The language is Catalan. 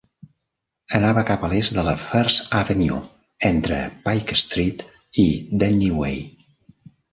Anava cap a l'est de la First Avenue, entre Pike Street i Denny Way.